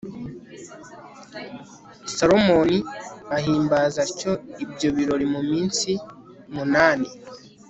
salomoni ahimbaza atyo ibyo birori mu minsi munani